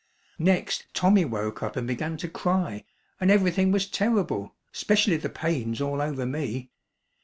Next Tommy woke up and began to cry and everything was terrible, specially the pains all over me.